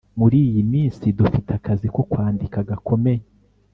muriyi minsi dufite akazi ko kwandika gakomey